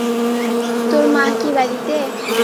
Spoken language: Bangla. তোর মা কি বাড়িতে?